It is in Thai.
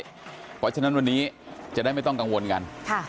เพราะฉะนั้นวันนี้จะได้ไม่ต้องกังวลกัน